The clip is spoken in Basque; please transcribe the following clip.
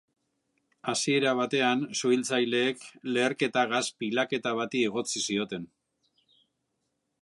Hasiera batean, suhiltzaileek leherketa gas pilaketa bati egotzi zioten.